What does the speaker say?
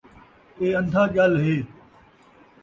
اے اندھا ڄل ہے